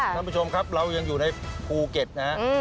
ท่านผู้ชมครับเรายังอยู่ในภูเก็ตนะฮะ